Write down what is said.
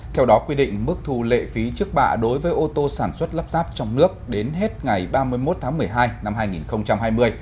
theo đó quy định mức thu lệ phí trước bạ đối với ô tô sản xuất lắp ráp trong nước đến hết ngày ba mươi một tháng một mươi hai năm hai nghìn hai mươi